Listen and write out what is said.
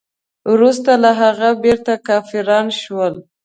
وروسته له هغه بیرته کافران شول.